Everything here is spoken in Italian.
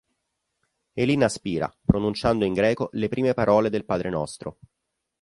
Elina spira pronunciando in greco le prime parole del "Padre Nostro".